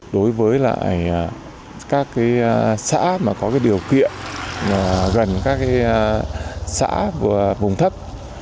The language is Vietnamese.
đối với lại các xã có điều kiện gần các xã vùng thấp